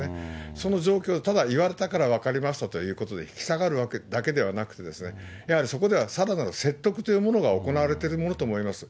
その状況、ただ言われたから分かりましたということで引き下がるだけではなくて、やはりそこではさらなる説得というものが行われてるものと思われます。